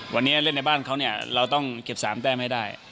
วันนี้เล่นในบ้านเขาเนี่ยเราต้องเก็บ๓แต้มให้ได้